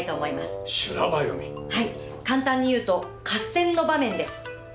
はい簡単に言うと合戦の場面です。